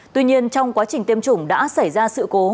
tuy nhiên trong quá trình tiêm chủng đã xảy ra sự cố